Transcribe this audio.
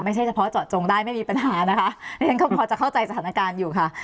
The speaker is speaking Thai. เฉพาะเจาะจงได้ไม่มีปัญหานะคะดิฉันก็พอจะเข้าใจสถานการณ์อยู่ค่ะ